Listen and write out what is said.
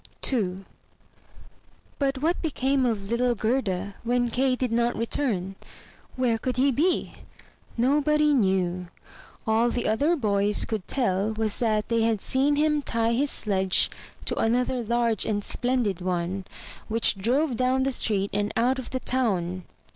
n But what became of little Gerda when Kay did not return? Where could he be? Nobody knew. All the other boys could tell was that they had seen him tie his sledge to another large 309 MY BOOK HOUSE and splendid one, which drove down the street and out of the town.